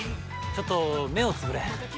ちょっと目をつぶれ。